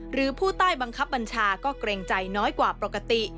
หรือผู้ใต้บังคับบัญชาก็เกรงใจน้อยกว่าปกติ